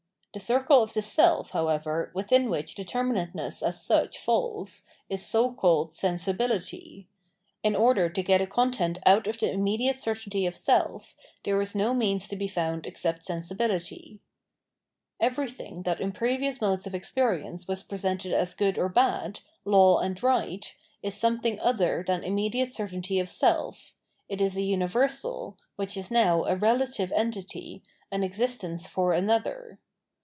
The circle of the self, however, within which determinateness as such falls, is so caUed " sensibility ": in order to get a content out of the immediate certainty of self, there is no other means to be found except sensibibty. Everything that in previous modes of experience was presented as good or bad, law and right, is something other than immediate certainty of seif ; it is a tmi versal, which is now a relative entity, an existence for another.